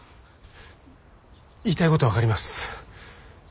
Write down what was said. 言いたいことは分かります。